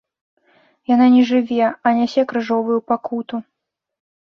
Яна не жыве, а нясе крыжовую пакуту.